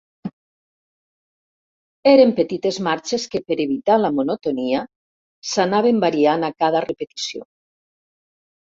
Eren petites marxes que, per evitar la monotonia, s'anaven variant a cada repetició.